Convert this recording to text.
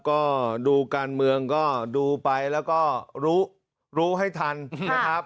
ก็ดูการเมืองก็ดูไปแล้วก็รู้รู้ให้ทันนะครับ